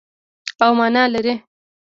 او مانا لري.